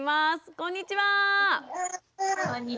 こんにちは。